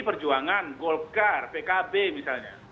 perjuangan golkar pkb misalnya